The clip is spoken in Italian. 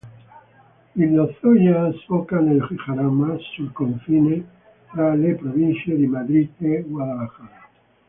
Il Lozoya sbocca nel Jarama sul confine tra le provincie di Madrid e Guadalajara.